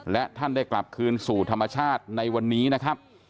และท่านได้กลับคืนสู่ธรรมชาติในวันนี้นะครับ